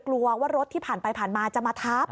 กลัวว่ารถที่ผ่านไปผ่านมาจะมาทับ